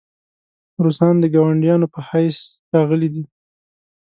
روسان د ګاونډیانو په حیث راغلي دي.